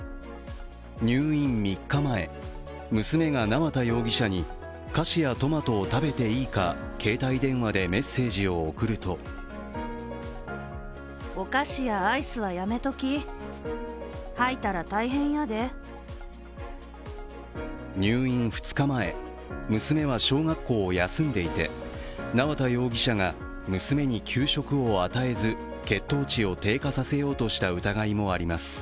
入院３日前、娘が縄田容疑者に菓子やトマトを食べていいか携帯電話でメッセージを送ると入院２日前、娘は小学校を休んでいて、縄田容疑者が娘に給食を与えず血糖値を低下させようとした疑いもあります。